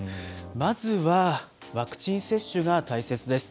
まずはワクチン接種が大切です。